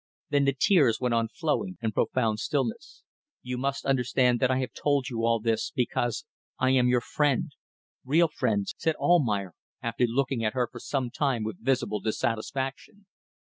Then the tears went on flowing in profound stillness. "You must understand that I have told you all this because I am your friend real friend," said Almayer, after looking at her for some time with visible dissatisfaction.